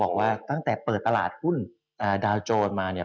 บอกว่าตั้งแต่เปิดตลาดหุ้นดาวโจรมาเนี่ย